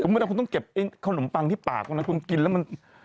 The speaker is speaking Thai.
ไม่ได้คุณต้องเก็บขนมปังที่ปากตรงนั้นคุณกินแล้วมัน